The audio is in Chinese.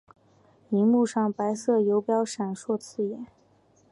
萤幕上白色游标闪烁刺眼